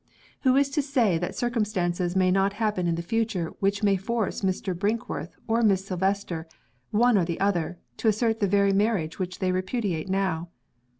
Who is to say that circumstances may not happen in the future which may force Mr. Brinkworth or Miss Silvester one or the other to assert the very marriage which they repudiate now?